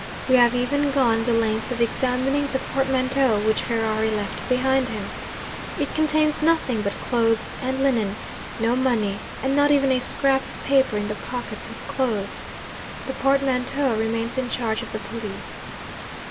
We have even gone the length of examining the portmanteau which Ferrari left behind him. It contains nothing but clothes and linen no money, and not even a scrap of paper in the pockets of the clothes. The portmanteau remains in charge of the police.